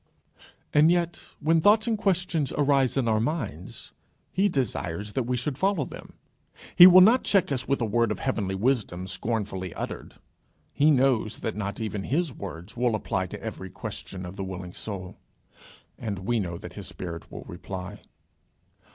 And yet, when thoughts and questions arise in our minds, he desires that we should follow them. He will not check us with a word of heavenly wisdom scornfully uttered. He knows that not even his words will apply to every question of the willing soul; and we know that his spirit will reply.